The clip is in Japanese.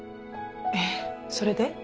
えっそれで？